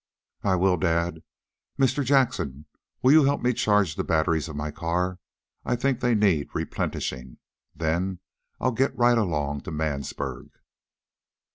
"I will, dad. Mr. Jackson, will you help me charge the batteries of my car? I think they need replenishing. Then I'll get right along to Mansburg."